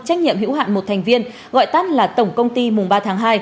trách nhiệm hữu hạn một thành viên gọi tắt là tổng công ty mùng ba tháng hai